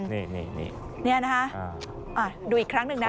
นี่นะคะดูอีกครั้งหนึ่งนะ